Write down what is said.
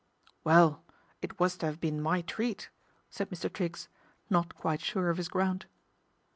" Well, it was to 'ave been my treat," said Mr. Triggs, not quite sure of his ground.